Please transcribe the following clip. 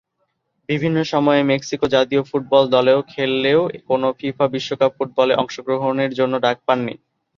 বিভিন্ন সময়ে মেক্সিকো জাতীয় ফুটবল দলেও খেললেও কোন ফিফা বিশ্বকাপ ফুটবলে অংশগ্রহণের জন্য ডাক পাননি।